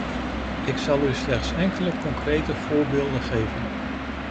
Ik zal u slechts enkele concrete voorbeelden geven.